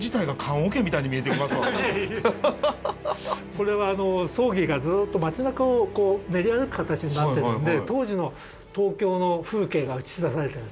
これは葬儀がずっと街なかを練り歩く形になってるんで当時の東京の風景が映し出されてるんですね。